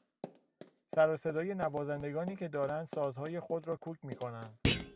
سروصدای نوازندگانی که دارند سازهای خود را کوک میکنند